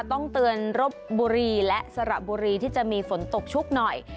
ต้องเตือนรบบุรีและสระบุรีที่จะมีฝนตกชุกหน่อย